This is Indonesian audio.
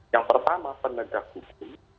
yang pertama penegak hukum